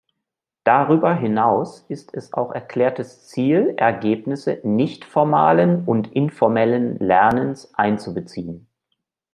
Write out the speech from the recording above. Darüber hinaus ist es auch erklärtes Ziel, Ergebnisse nicht-formalen und informellen Lernens einzubeziehen.